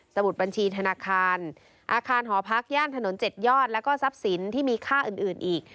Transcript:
มุดบัญชีธนาคารอาคารหอพักย่านถนน๗ยอดแล้วก็ทรัพย์สินที่มีค่าอื่นอีก